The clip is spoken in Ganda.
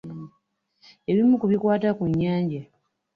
Ebimu ku bikwata ku nnyanja.